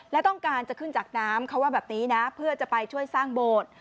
และต้องการจะขึ้นจากน้ำเขาว่าแบบนี้นะเพื่อจะไปช่วยสร้างโบสถ์